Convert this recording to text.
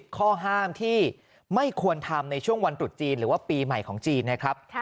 ข้อห้ามที่ไม่ควรทำในช่วงวันตรุษจีนหรือว่าปีใหม่ของจีนนะครับ